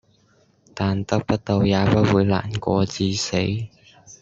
但得不到也不會難過至死